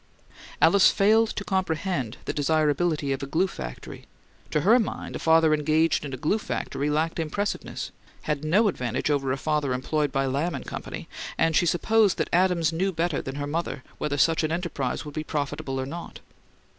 Alice failed to comprehend the desirability of a glue factory to her mind a father engaged in a glue factory lacked impressiveness; had no advantage over a father employed by Lamb and Company; and she supposed that Adams knew better than her mother whether such an enterprise would be profitable or not.